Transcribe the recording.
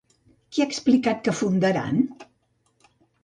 Què ha explicat que fundaran?